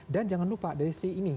dan jangan lupa dari si ini